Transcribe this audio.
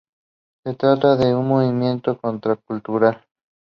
Se trata de un movimiento contracultural.